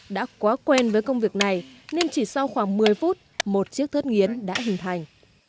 đã quá quen với công việc này nên chỉ sau khoảng một mươi phút một chiếc thớt nghiến đã hình thành